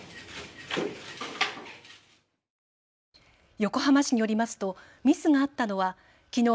横浜市によりますとミスがあったのはきのう